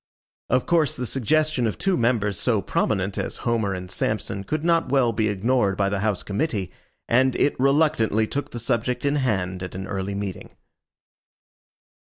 Of course the suggestion of two members so prominent as Homer and Samson could not well he ignored by the house committee, and it reluctantly took the subject in hand at an early meeting.